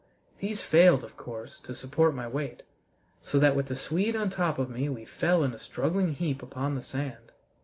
These failed, of course, to support my weight, so that with the Swede on the top of me we fell in a struggling heap upon the sand.